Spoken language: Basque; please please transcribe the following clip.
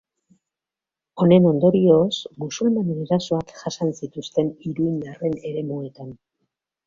Honen ondorioz, musulmanen erasoak jasan zituzten iruindarren eremuetan.